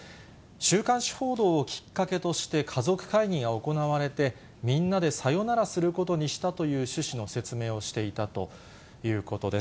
週刊誌報道をきっかけとして家族会議が行われて、みんなでさよならすることにしたという趣旨の説明をしていたということです。